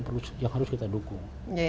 ini adalah satu yang harus kita dukung